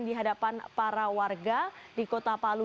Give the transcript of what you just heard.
di hadapan para warga di kota palu